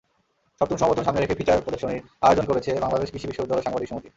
সপ্তম সমাবর্তন সামনে রেখে ফিচার প্রদর্শনীর আয়োজন করেছে বাংলাদেশ কৃষি বিশ্ববিদ্যালয় সাংবাদিক সমিতি।